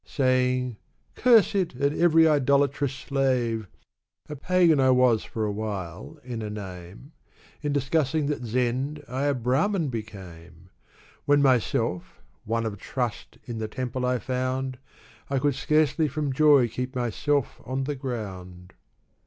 Saying, " Curse it and every idolatrous slave !" A pagan I was for a little, in name ; In discussing the Zend, I a Brahmin became ! When myself, otu of trust,'* in the temple I found, I could scarcely from joy keep myself on the ground.